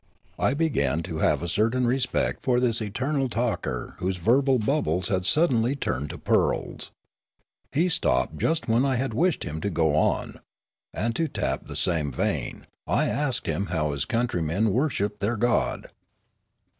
I began to have a certain respect for this eternal talker whose verbal bubbles had suddenly turned to pearls. He stopped just when I had wished him to go on ; and, to tap the same vein, I asked him how his countrymen worshipped their god.